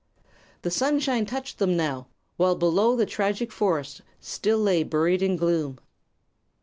The sunshine touched them now, while below the tragic forest still lay buried in gloom.